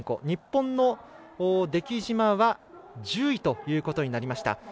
日本の出来島は１０位ということになりました。